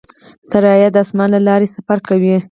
طیاره د اسمان له لارې سفر کوي.